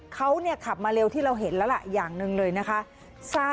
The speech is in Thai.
เขาขับมาเร็วที่เราเห็นแล้วล่ะอย่างหนึ่งเลยนะคะ